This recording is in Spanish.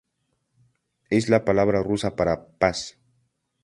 Es la palabra rusa para "paz".